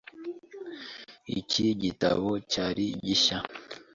Iki gitabo cyari gishya .